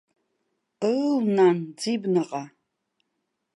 Ыу, нан, ӡибнаҟа!